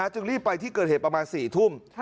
จึงรีบไปที่เกิดเหตุประมาณ๔ทุ่ม